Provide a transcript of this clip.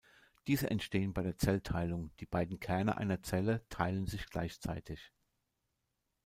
Diese entstehen bei der Zellteilung: Die beiden Kerne einer Zelle teilen sich gleichzeitig.